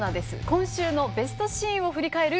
今週のベストシーンを振り返る